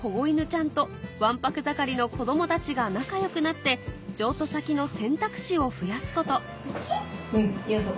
ちゃんとわんぱく盛りの子供たちが仲良くなって譲渡先の選択肢を増やすことこっち？